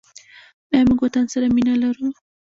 آیا موږ وطن سره مینه لرو؟